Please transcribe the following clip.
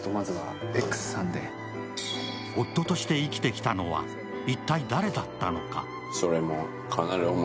夫として生きてきたのは一体誰だったのか。